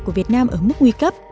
của việt nam ở mức nguy cấp